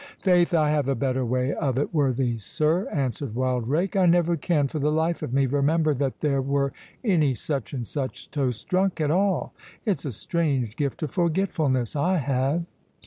"Faith, I have a better way of it, worthy sir," answered Wildrake; "I never can, for the life of me, remember that there were any such and such toasts drunk at all. It's a strange gift of forgetfulness I have."